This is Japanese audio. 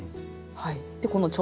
はい。